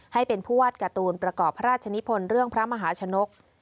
ให้เป็นผู้วาดการ์ตูนประกอบพระราชนิพลเรื่องพระมหาชนก